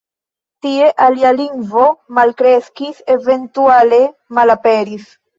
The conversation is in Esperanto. Tie ilia lingvo malkreskis eventuale malaperis.